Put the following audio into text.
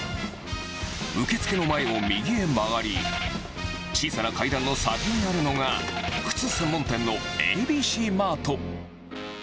受付の前を右へ曲がり、小さな階段の先にあるのが、靴専門店のＡＢＣーＭＡＲＴ。